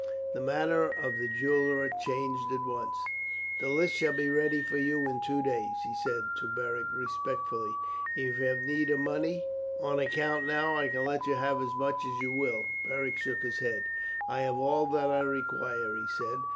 The manner of the jeweller changed at once. "The list shall be ready for you in two days," he said to Beric respectfully. "If you have need of money on account now I can let you have as much as you will." Beric shook his head. "I have all that I require," he said.